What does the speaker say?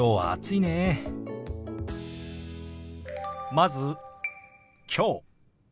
まず「きょう」。